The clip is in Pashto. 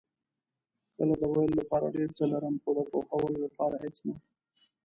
کله د ویلو لپاره ډېر څه لرم، خو د پوهولو لپاره هېڅ نه.